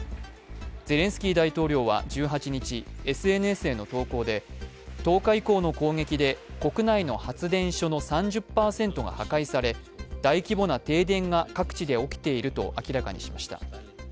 ゼレンスキー大統領は１８日、ＳＮＳへの投稿で１０日以降の攻撃で国内の発電所の８０％以上が攻撃され大規模な停電が各地で起きていると明らかにしました。